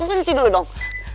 gue kasi dulu dong